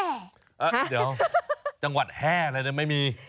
เอ๊ะเดี๋ยวจังหวัดแหล่งอะไรนะไม่มี